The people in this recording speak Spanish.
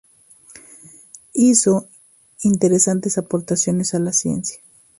Hizo interesantes aportaciones a la ciencia.